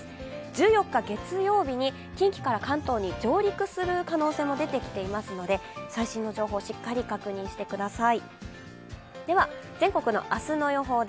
１４日、月曜日に近畿から関東に上陸する可能性も出てきていますので最新の情報をしっかり確認してください。